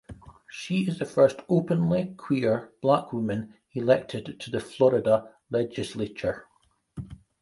She is the first openly queer Black woman elected to the Florida Legislature.